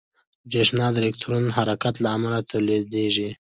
برېښنا د الکترون حرکت له امله تولیدېږي.